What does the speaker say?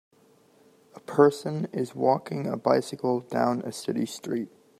A person is walking a bicycle down a city street.